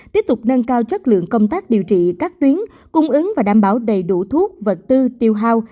tiếp tục nâng cao chất lượng công tác điều trị các tuyến cung ứng và đảm bảo đầy đủ thuốc vật tư tiêu hao